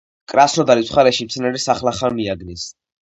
კრასნოდარის მხარეში მცენარეს ახლახან მიაგნეს.